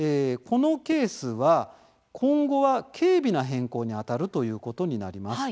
このケースは今後は「軽微な変更」にあたるということになります。